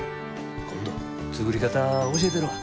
今度作り方教えたるわ。